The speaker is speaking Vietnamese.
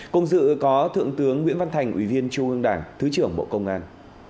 cùng dự có thượng tướng nguyễn văn thành ủy viên trung ương đảng thứ trưởng bộ công an